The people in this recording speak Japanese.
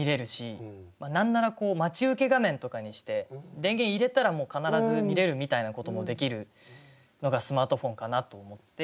何なら待ち受け画面とかにして電源入れたらもう必ず見れるみたいなこともできるのがスマートフォンかなと思って。